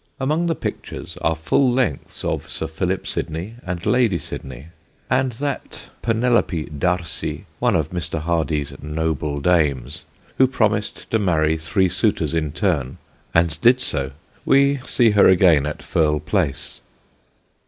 Among the pictures are full lengths of Sir Philip Sidney and Lady Sidney, and that Penelope D'Arcy one of Mr. Hardy's "Noble Dames" who promised to marry three suitors in turn and did so. We see her again at Firle Place.